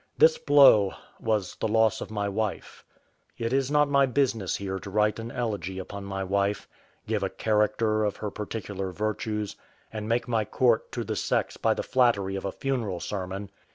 This blow was the loss of my wife. It is not my business here to write an elegy upon my wife, give a character of her particular virtues, and make my court to the sex by the flattery of a funeral sermon.